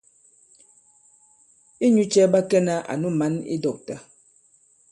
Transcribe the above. Inyū cɛ̄ ɓa kɛnā ànu mǎn i dɔ̂kta ?